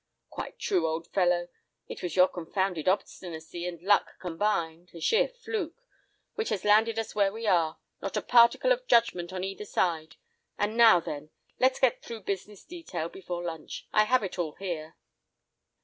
"Quite true, old fellow; it was your confounded obstinacy and luck combined, a sheer fluke, which has landed us where we are, not a particle of judgment on either side; and now, then, let's get through business detail before lunch. I have it all here."